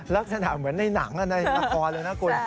ลักษณะเหมือนในหนังในละครเลยนะคุณ